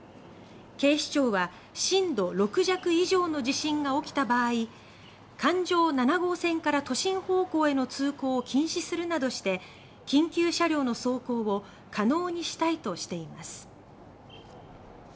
警視庁は震度６弱以上の地震が起きた場合環状７号線から都心方向への通行を禁止するなどして緊急車両の走行を可能にしたいとしています。